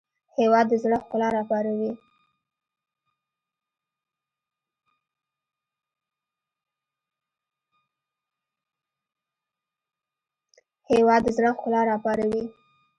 هېواد د زړه ښکلا راپاروي.